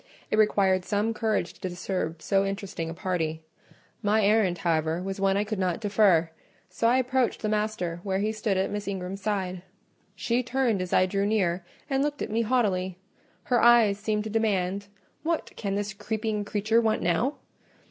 It required some courage to disturb so interesting a party; my errand, however, was one I could not defer, so I approached the master where he stood at Miss Ingram's side. She turned as I drew near, and looked at me haughtily: her eyes seemed to demand, "What can the creeping creature want now?"